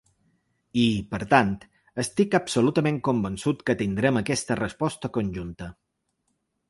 I, per tant, estic absolutament convençut que tindrem aquesta resposta conjunta.